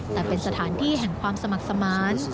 แต่เป็นสถานที่แห่งความสมัครสมาน